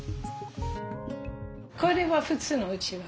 これは普通のうちわですか？